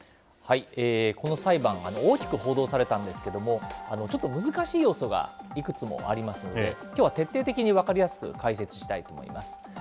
この裁判は大きく報道されたたんですけれども、ちょっと難しい要素がいくつもありますので、きょうは徹底的に分かりやすく解説したいと思います。